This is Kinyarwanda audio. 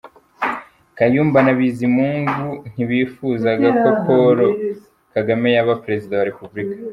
Kayumba na Bizimungu ntibifuzaga ko Paul Kagame yaba Perezida wa Repubulika